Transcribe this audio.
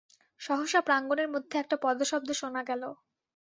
সহসা প্রাঙ্গণের মধ্যে একটা পদশব্দ শোনা গেল।